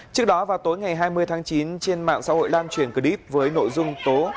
trước đó vào tối ngày hai mươi tháng chín trên mạng xã hội lan truyền clip với nội dung tố